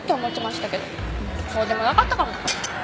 うんそうでもなかったかも。